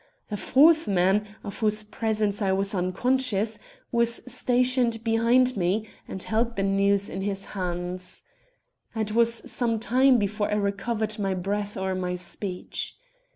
A fourth man, of whose presence I was unconscious, was stationed behind me and held the noose in his hands. "It was some time before I recovered my breath or my speech.